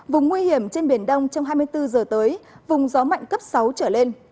vùng nguy hiểm trên biển đông trong hai mươi bốn giờ tới vùng gió mạnh cấp sáu trở lên